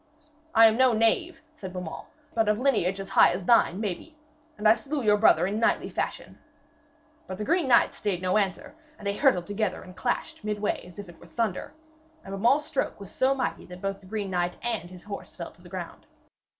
'I am no knave!' said Beaumains, 'but of lineage as high as thine, maybe. And I slew your brother in knightly fashion.' But the green knight stayed not to answer, and they hurtled together, and clashed midway as if it were thunder. And Beaumains' stroke was so mighty that both the green knight and his horse fell to the ground.